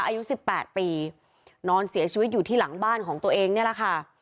อายุสิบแปดปีนอนเสียชีวิตอยู่ที่หลังบ้านของตัวเองนี่แหละค่ะ